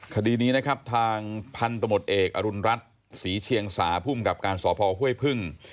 คดีนี้นะครับทางพันธุ์ตมติเอกอรุณรัฐศรีเชียงศาธิ์ผู้อำกับการสอบภอคเว่ยพึ่ง